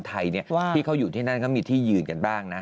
ที่เขาอยู่ที่นั่นเขามีที่ยืนกันบ้างนะ